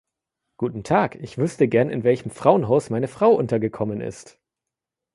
Guten Tag, ich wüsste gern, in welchem Frauenhaus meine Frau untergekommen ist.